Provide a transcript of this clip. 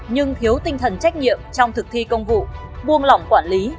nhưng thiếu tinh thần trách nhiệm trong thực thi công vụ buông lỏng quản lý